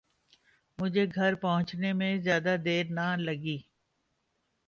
مجھے گھر پہنچنے میں زیادہ دیر نہ لگی